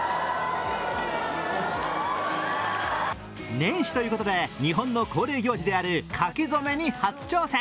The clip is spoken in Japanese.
年始ということで日本の恒例行事である書き初めに初挑戦。